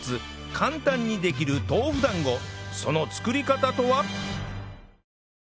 簡単にできる豆腐団子その作り方とは？